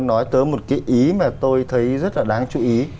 nói tới một cái ý mà tôi thấy rất là đáng chú ý